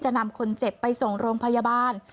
นำคนเจ็บไปส่งโรงพยาบาล